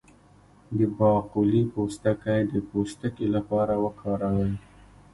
د باقلي پوستکی د پوستکي لپاره وکاروئ